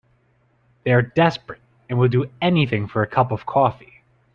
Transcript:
They're desperate and will do anything for a cup of coffee.